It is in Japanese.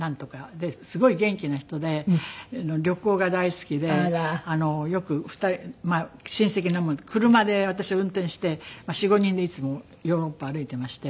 ですごい元気な人で旅行が大好きでよく２人まあ親戚の者と車で私運転してまあ４５人でいつもヨーロッパ歩いていまして。